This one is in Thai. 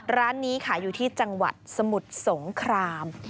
ร้านนี้ขายอยู่ที่จังหวัดสมุทรสงคราม